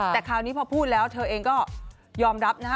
แต่คราวนี้พอพูดแล้วเธอเองก็ยอมรับนะฮะ